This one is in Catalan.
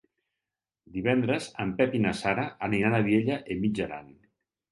Divendres en Pep i na Sara aniran a Vielha e Mijaran.